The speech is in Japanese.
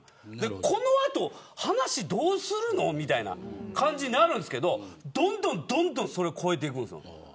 この後、話どうするのみたいな感じになるんですけどどんどん、どんどんそれを超えていくんですよ。